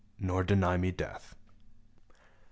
— Nor deny me death !